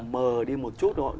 mờ đi một chút nữa